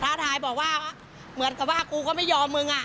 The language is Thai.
ท้าทายบอกว่าเหมือนกับว่ากูก็ไม่ยอมมึงอ่ะ